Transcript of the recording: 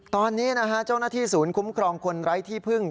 ตอนนี้นะฮะเจ้าหน้าที่ศูนย์คุ้มครองคนไร้ที่พึ่ง